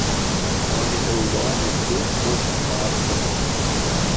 Oni eldonis du poŝtmarkojn.